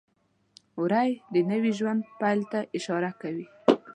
وری د نوي ژوند پیل ته اشاره کوي.